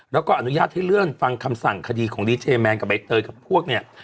แล้วก็อนุญาตให้เลื่อนฟังคำสั่งคดีของดีเจแมนกับใบเตยกับพวกเนี่ย